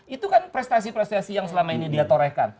itu kan prestasi prestasi yang selama ini dia torehkan